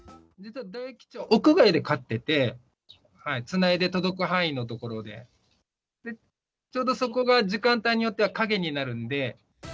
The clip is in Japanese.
屋外で飼ってて、つないで届く範囲の所で、ちょうどそこが時間帯によっては陰になるんで。